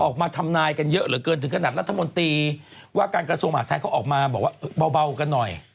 ออกมาทำนายกันเยอะเหลือเกินถึงขนาดรัฐมนตรีว่าการกระทรวงมหาดไทยเขาออกมาบอกว่าเบากันหน่อย